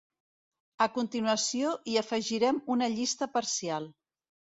A continuació hi afegirem una llista parcial.